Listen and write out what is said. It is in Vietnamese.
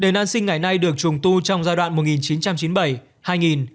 đền an sinh ngày nay được trùng tu trong giai đoạn một nghìn chín trăm chín mươi bảy hai nghìn